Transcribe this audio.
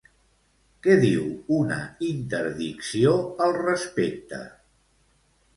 Què diu una interdicció al respecte?